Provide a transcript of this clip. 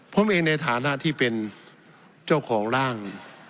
ผมเองในฐานะที่เป็นเจ้าของร่าง